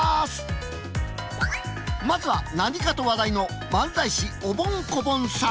まずは何かと話題の漫才師おぼん・こぼんさん。